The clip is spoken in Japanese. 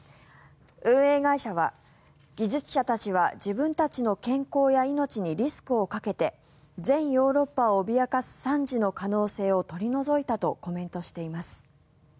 運営会社は、技術者たちは自分たちの健康や命にリスクをかけて全ヨーロッパを脅かす惨事の可能性を取り除いたとコメントしています。